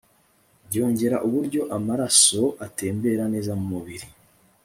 byongera uburyo amaraso atembera neza mu mubiri